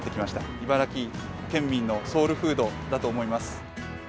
茨城県民のソウルフードだと思います。